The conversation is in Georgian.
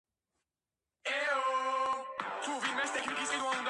ქალაქში არის მრავალი ტურისტული მარშრუტი, როგორ საფეხმავლო, ასევე საველოსიპედო.